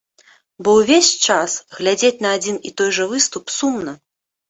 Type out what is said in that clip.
Бо ўвесь час глядзець на адзін і той жа выступ сумна.